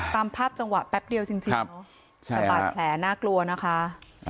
ตามภาพจังหวะแป๊บเดียวจริงแต่บาดแผลน่ากลัวนะคะ